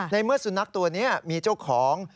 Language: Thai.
ในเมื่อสุนัขตัวนี้มีเจ้าของ